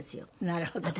なるほど。